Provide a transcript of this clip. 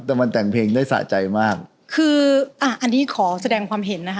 แต่มันแต่งเพลงได้สะใจมากคืออ่าอันนี้ขอแสดงความเห็นนะคะ